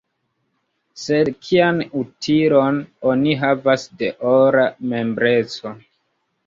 Sed kian utilon oni havas de ora membreco?